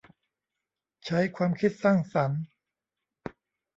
ใช้ความคิดสร้างสรรค์